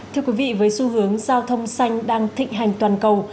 thưa quý vị với xu hướng giao thông xanh đang thịnh hành toàn cầu